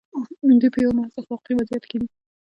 دوی په یوه محض اخلاقي وضعیت کې دي.